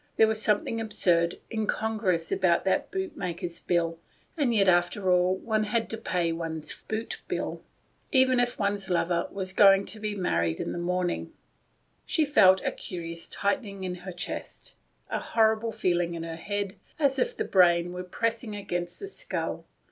There was something absurd, incon gruous about that bootmaker's bill. And yet, after all, one had to pay one's boot bill, even if one's lover was going to be married to morrow morning. She felt a curious tightening in her chest, a horrible feeling in her head, as if the brain were pressing against the skull.